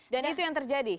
dan itu yang terjadi